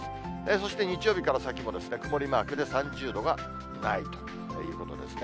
そして日曜日から先も曇りマークで、３０度がないということですね。